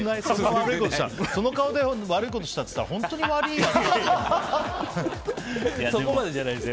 その顔で悪いことしたって言ったら本当に悪いんじゃ。